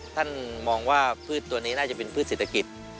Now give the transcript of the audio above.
ท่านมองว่าพืชตัวนี้น่าจะเป็นพืชเศรษฐกิจ